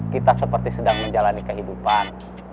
kita seperti sedang menjalani kehidupan